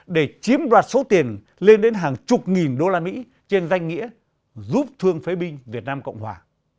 để chiếm đoạt số tiền lên đến hàng chục nghìn đô la mỹ trên danh nghĩa giúp thương phế binh việt nam cộng hòa